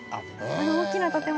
あの大きな建物？